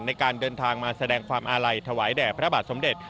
ในการเดินทางมาแสดงความอาลัยถวายแด่พระบาทสมเด็จ